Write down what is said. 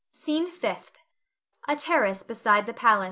SCENE FIFTH. [_A terrace beside the palace.